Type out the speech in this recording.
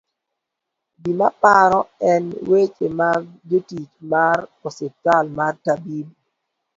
gimaparo en weche mag jotich mar ospital mar Tabibu